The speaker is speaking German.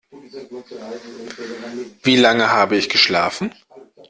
Wie lange habe ich geschlafen?